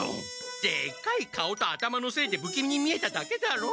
でかい顔と頭のせいでぶきみに見えただけだろ？